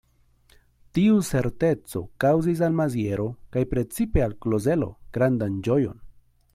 Tiu certeco kaŭzis al Maziero kaj precipe al Klozelo grandan ĝojon.